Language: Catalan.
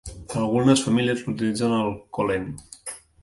Algunes famílies l'utilitzen al 'cholent'.